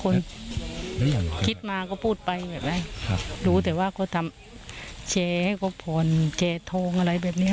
คนคิดมาก็พูดไปแบบนั้นครับรู้แต่ว่าก็ทำแชก็ผ่อนแชทองอะไรแบบเนี้ย